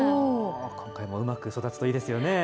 今回もうまく育つといいですね。